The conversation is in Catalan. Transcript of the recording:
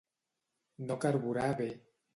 No carburar bé.